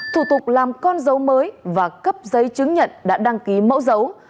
thủ tục làm con dấu mới và cấp giấy chứng nhận đã đăng ký mẫu dấu